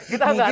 kita nggak tau